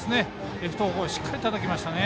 レフト方向にしっかりたたきましたね。